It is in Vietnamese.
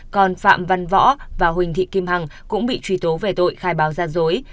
còn phạm văn võ và huỳnh thị kim hằng cũng bị truy tố về tội khai báo gian dối